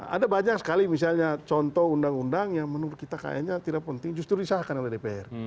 ada banyak sekali misalnya contoh undang undang yang menurut kita kayaknya tidak penting justru disahkan oleh dpr